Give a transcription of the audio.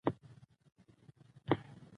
که کارګران د خپل کار نیم وخت د ځان لپاره وکړي